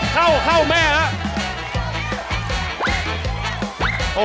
เข้าเอ้าแม่ละ